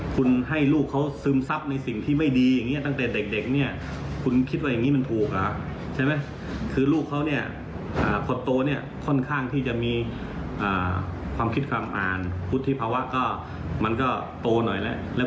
เขาก็ท่าทางไม่ค่อยพอใจเท่าไหร่ตอนนี้ก็คือเขาได้เสียชีวิตแล้ว